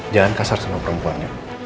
jangan kasar sama perempuan ya